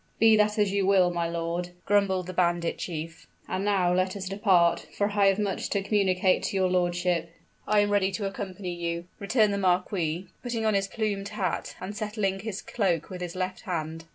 "Be that as you will, my lord," grumbled the bandit chief. "And now let us depart for I have much to communicate to your lordship." "I am ready to accompany you," returned the marquis, putting on his plumed hat, and settling his cloak with his left hand.